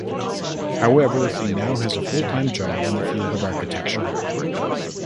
However, he now has a full-time job in the field of architecture.